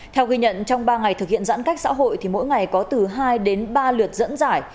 theo ghi nhận trong ba ngày thực hiện giãn cách xã hội thì mỗi ngày có từ hai đến ba lượt dẫn giải